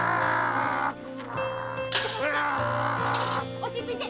落ち着いて！